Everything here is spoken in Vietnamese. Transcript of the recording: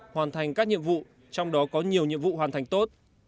hoàn thành các nhiệm vụ trong đó có nhiều nhiệm vụ hoàn thành tốt